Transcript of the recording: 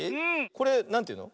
これなんていうの？